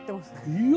いや。